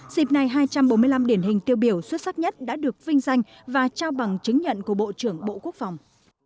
dịp này hai trăm bốn mươi năm điển hình tiêu biểu xuất sắc nhất đã được vinh danh và trao bằng chứng nhận của bộ trưởng bộ quốc phòng